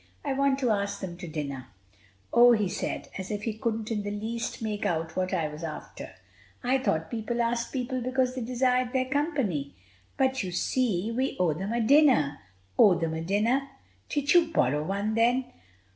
I want to ask them to dinner." "Oh!" he said, as if he couldn't in the least make out what I was after, "I thought people asked people because they desired their company." "But, you see, we owe them a dinner." "Owe them a dinner! Did you borrow one, then?"